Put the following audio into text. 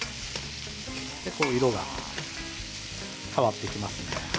結構、色が変わってきますね。